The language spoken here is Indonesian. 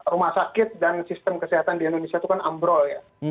rumah sakit dan sistem kesehatan di indonesia itu kan ambrol ya